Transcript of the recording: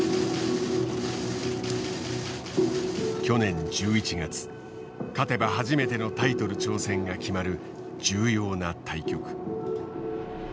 去年１１月勝てば初めてのタイトル挑戦が決まる重要な対局。